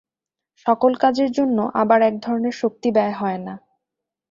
সকল কাজের জন্য আবার এক ধরনের শক্তি ব্যয় হয় না।